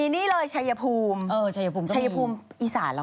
แต่ถ้าใครชอบกลีดแรงละ